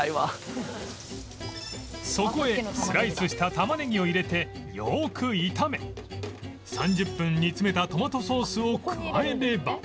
そこへスライスしたタマネギを入れてよく炒め３０分煮詰めたトマトソースを加えれば